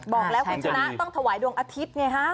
บอกแล้วคุณชนะต้องถวายดวงอาทิตย์ไงฮะ